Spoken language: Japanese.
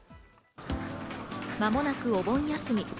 間もなくお盆休み。